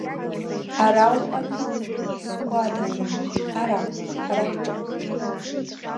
Ара уҟами, сгәада, ара, ҳара ҳҿы.